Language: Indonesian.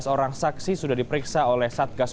sebelas orang saksi sudah diperiksa oleh satgas